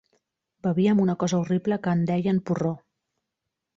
Bevíem amb una cosa horrible que en deien «porró».